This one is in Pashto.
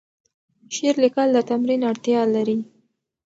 شعر لیکل د تمرین اړتیا لري.